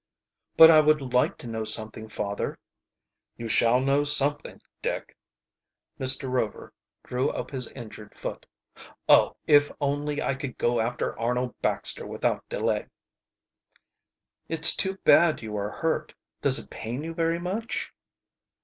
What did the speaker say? "But I would like to know something, father." "You shall know something, Dick." Mr. Rover drew up his injured foot. "Oh, if only I could go after Arnold Baxter without delay!" "It's too bad you are hurt. Does it pain you very much?"